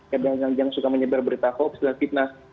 kadang kadang jangan suka menyebar berita hoax tidak fitnah